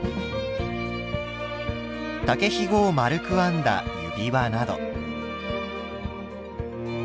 竹ひごを丸く編んだ指輪など。